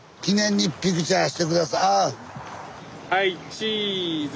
・はいチーズ！